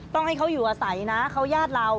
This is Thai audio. ต้องให้เขาอยู่อาศัยนะเขาญาติเรา